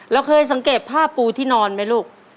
เราเคยสังเกตผ้าปูที่นอนไหมลูก